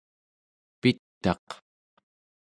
pit'aq